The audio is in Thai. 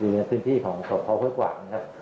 อยู่ในซึ่งที่ของพบเบาโค้ยกว่านะครับ